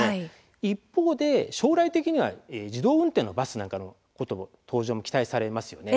一方で将来的には自動運転のバスの登場も期待されますよね。